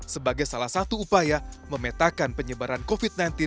sebagai salah satu upaya memetakan penyebaran covid sembilan belas